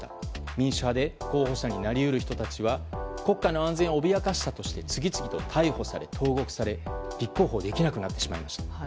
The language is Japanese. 民主派で候補者になり得る人たちは国家の安全を脅かしたとして次々と逮捕され投獄され立候補できなくなってしまいました。